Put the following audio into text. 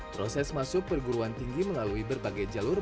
proses masuk perguruan tinggi melalui berbagai jalur